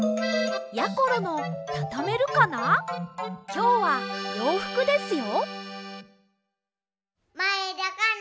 きょうはようふくですよ。